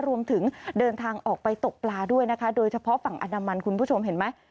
รวมถึงเดินทางออกไปตกปลาด้วยนะคะโดยเฉพาะฝั่งอนามันคุณผู้ชมเห็นไหม